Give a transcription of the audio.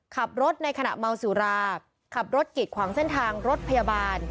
ขับรถในขณะเมาสุราขับรถกิดขวางเส้นทางรถพยาบาล